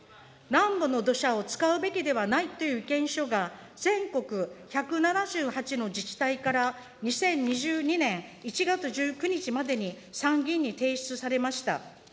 南部の土砂を使うべきではないという意見書が、全国１７８の自治体から２０２２年１月１９日までに参議院に提出されました。